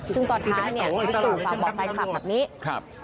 ซึ่งตอนท้ายพี่ตุ๋ฟาบอกให้กับแบบนี้